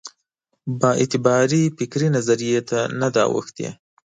بااعتبارې فکري نظریې ته نه ده اوښتې.